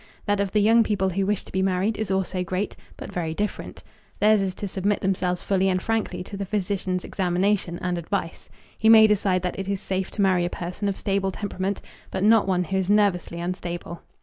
That of the young people who wish to be married is also great, but very different. Theirs is to submit themselves fully and frankly to the physician's examination and advice. He may decide that it is safe to marry a person of stable temperament, but not one who is nervously unstable.